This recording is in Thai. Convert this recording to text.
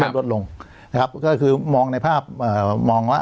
ก็เริ่มลดลงนะครับก็คือมองในภาพเอ่อมองว่า